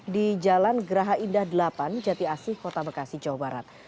di jalan geraha indah delapan jati asih kota bekasi jawa barat